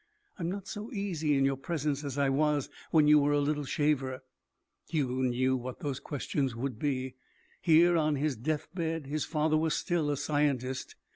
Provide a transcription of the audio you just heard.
I'm not so easy in your presence as I was when you were a little shaver." Hugo knew what those questions would be. Here, on his death bed, his father was still a scientist.